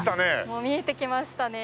もう見えてきましたね。